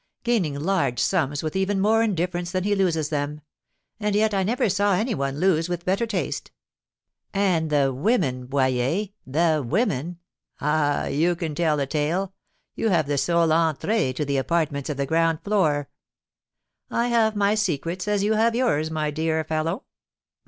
Gaining large sums with even more indifference than he loses them! And yet I never saw any one lose with better taste!" "And the women, Boyer, the women! Ah, you could tell a tale! You have the sole entrée to the apartments of the ground floor " "I have my secrets as you have yours, my dear fellow."